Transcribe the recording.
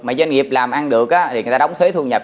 mà doanh nghiệp làm ăn được thì người ta đóng thuế thu nhập